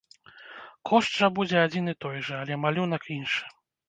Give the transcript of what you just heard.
Кошт жа будзе адзін і той жа, але малюнак іншы.